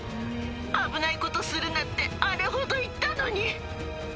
危ないことするなって、あれほど言ったのに。